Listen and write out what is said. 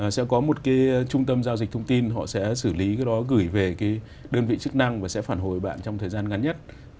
sẽ có một cái trung tâm giao dịch thông tin họ sẽ xử lý cái đó gửi về cái đơn vị chức năng và sẽ phản hồi bạn trong thời gian ngắn nhất